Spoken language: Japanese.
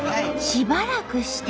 しばらくして。